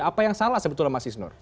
apa yang salah sebetulnya mas isnur